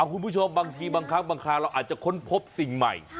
คุณผู้ชมบางทีบางครั้งบางคราวเราอาจจะค้นพบสิ่งใหม่